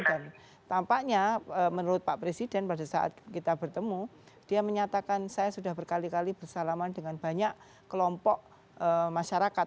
dan tampaknya menurut pak presiden pada saat kita bertemu dia menyatakan saya sudah berkali kali bersalaman dengan banyak kelompok masyarakat